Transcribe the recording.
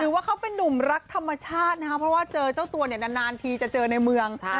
ว่าเขาเป็นนุ่มรักธรรมชาตินะครับเพราะว่าเจอเจ้าตัวเนี่ยนานทีจะเจอในเมือง